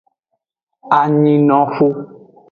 Anyinoxu.